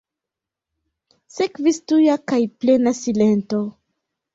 Sekvis tuja kaj plena silento.